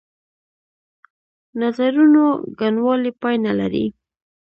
نظرونو ګڼوالی پای نه لري.